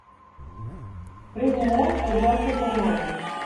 Prego molt pels deutes del moro.